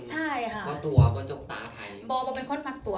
บ่ตัวบ่จกตาบ่เป็นคนมาตัว